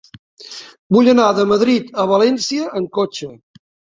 Vull anar de Madrid a València en cotxe.